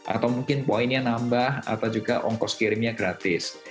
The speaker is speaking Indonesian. atau mungkin poinnya nambah atau juga ongkos kirimnya gratis